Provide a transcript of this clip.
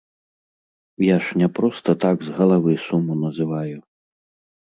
Я ж не проста так з галавы суму называю.